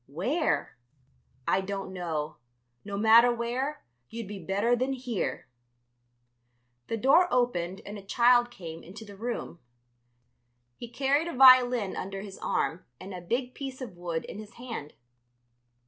"Where?" "I don't know. No matter where, you'd be better than here." The door opened and a child came into the room. He carried a violin under his arm and a big piece of wood in his hand.